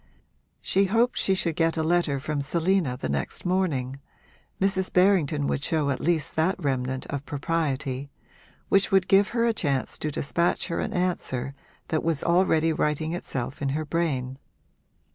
She hoped she should get a letter from Selina the next morning (Mrs. Berrington would show at least that remnant of propriety) which would give her a chance to despatch her an answer that was already writing itself in her brain.